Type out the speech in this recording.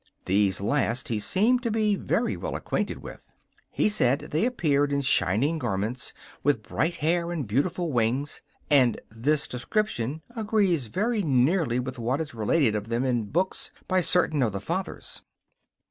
These last he seemed to be very well acquainted with. He said they appeared in shining garments, with bright hair and beautiful wings, and this description agrees very nearly with what is related of them in books by certain of the Fathers.